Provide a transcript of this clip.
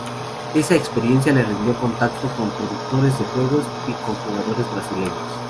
Esa experiencia le rindió contacto con productores de juegos y con jugadores brasileños.